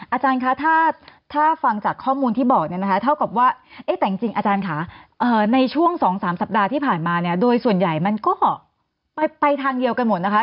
อาจารย์คะถ้าฟังจากข้อมูลที่บอกเนี่ยนะคะเท่ากับว่าแต่จริงอาจารย์ค่ะในช่วง๒๓สัปดาห์ที่ผ่านมาเนี่ยโดยส่วนใหญ่มันก็ไปทางเดียวกันหมดนะคะ